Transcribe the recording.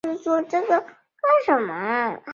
市场问题也可以用分层广义线性模型来分析。